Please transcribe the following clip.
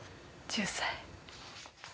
１０歳。